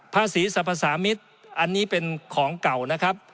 ภาษีสรรพสามิตรอันนี้เป็นของเก่านะครับ